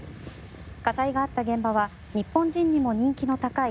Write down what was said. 火災があった現場は日本人にも人気の高い